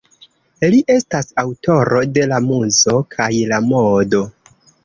Li estas aŭtoro de ""La Muzo kaj la Modo"".